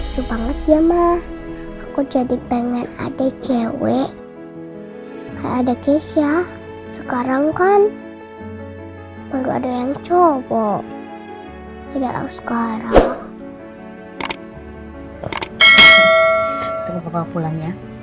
juga maaf aku jadi pengen adek cewek ada keisha sekarang kan baru ada yang cowok tidak sekarang